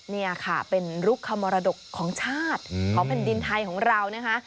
นี่ค่ะเป็นรุกขมรดกของชาติของแผ่นดินไทยของเรานะคะ